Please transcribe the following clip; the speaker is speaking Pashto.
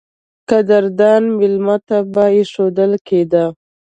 قدردان مېلمه ته به اېښودل کېده.